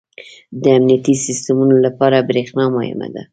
• د امنیتي سیسټمونو لپاره برېښنا مهمه ده.